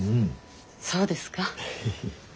そうですか。